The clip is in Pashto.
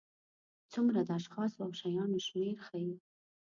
څومره د اشخاصو او شیانو شمېر ښيي.